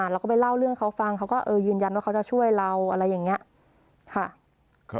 เราก็ไปเล่าเรื่องเขาฟังเขาก็ยืนยันว่าเขาจะช่วยเราอะไรอย่างนี้ค่ะ